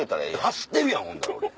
走ってるやんほんで俺。